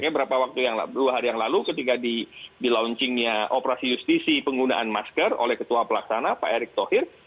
beberapa waktu dua hari yang lalu ketika di launchingnya operasi justisi penggunaan masker oleh ketua pelaksana pak erick thohir